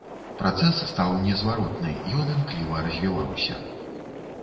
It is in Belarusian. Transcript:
Працэс стаў незваротны, ён імкліва развіваўся.